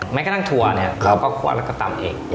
แม้กระทั่งถั่วเนี่ยเราก็คั่วแล้วก็ตำเอง